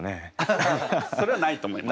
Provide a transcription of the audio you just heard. それはないと思います。